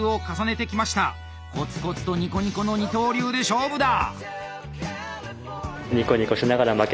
コツコツとニコニコの二刀流で勝負だ！